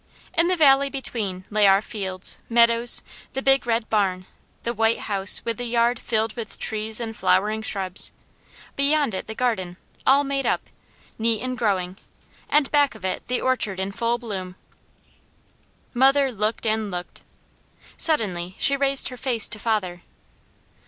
In the valley between lay our fields, meadows, the big red barn, the white house with the yard filled with trees and flowering shrubs, beyond it the garden, all made up, neat and growing; and back of it the orchard in full bloom. Mother looked and looked. Suddenly she raised her face to father.